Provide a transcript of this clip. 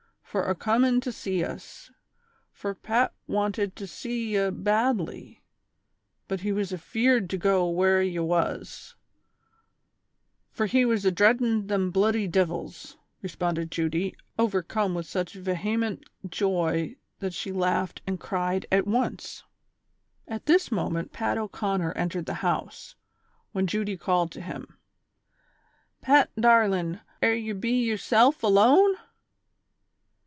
fur acomin' to sea us, fur Pat "wanted to sea ye badly ; but he was afeard to go where ye was, fur he was adreadin' them bluddy divils !" responded Judy, overcome with such vehement joy that she laughed and cried at once. 174 THE SOCIAL WAR OF 1900; OR, At this moment Pat O'Conner entered the house, when Judy called to him :'• Pat, darlin', air ye be yerself alone